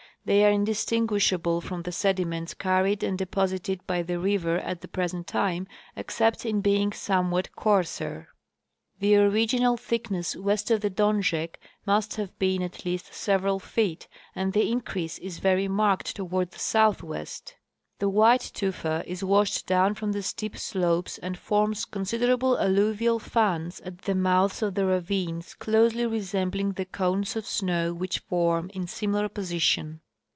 They are indistinguishable from the sediments carried and deposited by the river at the present time, except in being somewhat coarser. The great Tufa Deposit. 147 The original thickness west of the Donjek must have been at least several feet, and the increase is very marked toward the southwest. The white tufa is washed doAvn from the steep slopes and forms considerable alluvial fans at the mouths of the ravines closely resembling the cones of snow which form in similar posi tion.